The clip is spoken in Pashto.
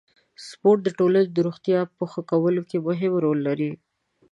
سپورت د ټولنې د روغتیا په ښه کولو کې مهم رول لري.